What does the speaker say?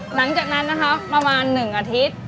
หลังจากนั้นนะคะประมาณ๑อาทิตย์